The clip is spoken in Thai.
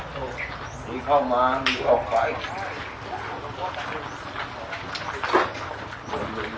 คือผมคุยมาแล้วเขาอยู่ข้างใต้เลย